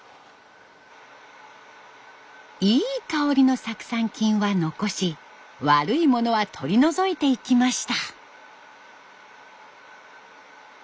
いい香りの酢酸菌は残し悪いものは取り除いていきました。